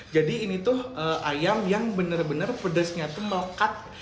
jadi ini tuh ayam yang benar benar pedasnya tuh melekat